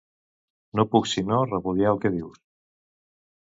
No puc sinó repudiar el que dius.